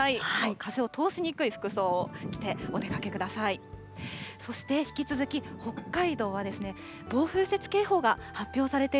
風を通しにくい服を着て、お出かけください。